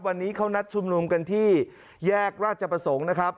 วันนี้เขานัดชุมนุมกันที่แยกราชประสงค์นะครับ